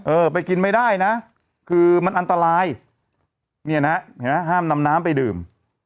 เออไปกินไม่ได้นะคือมันอันตรายเนี่ยนะเห็นไหมห้ามนำน้ำไปดื่ม